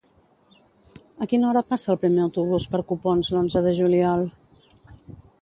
A quina hora passa el primer autobús per Copons l'onze de juliol?